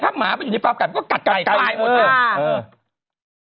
ถ้าหมาไปอยู่ในฟาร์มไก่ก็กัดไก่ไก่หมด